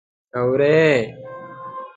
_اورې؟